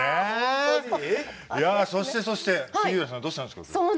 そして、杉浦さんどうしたんですか？